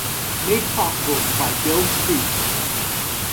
Made possible by Bill Street.